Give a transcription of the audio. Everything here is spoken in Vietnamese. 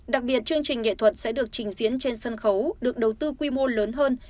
đặc biệt chương trình nghệ thuật sẽ được trình diễn trên sân khấu được đầu tư quy mô lớn hơn